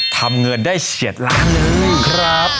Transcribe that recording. ทำเงินได้เฉียดล้านบาทเลยครับ